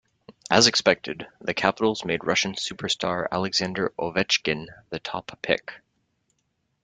As expected, the Capitals made Russian superstar Alexander Ovechkin, the top pick.